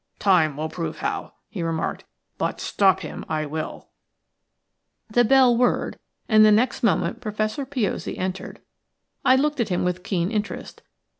"Time will prove how," he remarked; "but stop him I wilL" The bell whirred, and the next moment Professor Piozzi entered. I looked at him with keen interest.